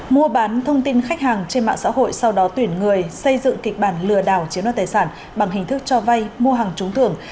mua bán thông tin khách hàng trên mạng xã hội sau đó tuyển người xây dựng kịch bản lừa đảo chiếm đoạt tài sản bằng hình thức cho vay mua hàng trúng thưởng